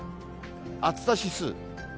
暑さ指数。